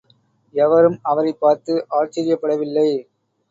எவரும் அவரைப் பார்த்து ஆச்சரியப்படவில்லை.